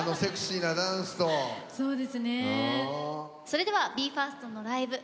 それではＢＥ：ＦＩＲＳＴのライブ。